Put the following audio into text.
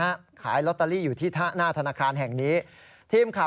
ฮ่าฮ่าฮ่าฮ่าฮ่าฮ่าฮ่า